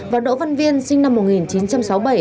và đỗ văn viên sinh năm một nghìn chín trăm sáu mươi bảy